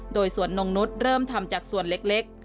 โดยสวนนงนุษย์เริ่มทำจากส่วนเล็ก